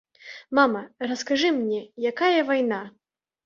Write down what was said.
Мама, раскажы мне, якая вайна.